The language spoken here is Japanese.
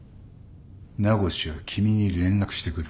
名越は君に連絡してくる。